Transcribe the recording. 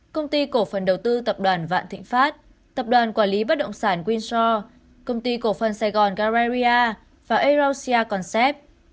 công ty cổ phần đầu tư tập đoàn vạn thịnh pháp tập đoàn quản lý bất động sản windsor công ty cổ phần sài gòn galleria và erosia concept